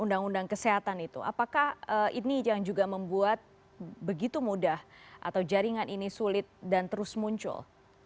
undang undang kesehatan itu apakah ini yang juga membuat begitu mudah atau jaringan ini sulit dan terus muncul